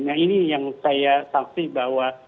nah ini yang saya saksi bahwa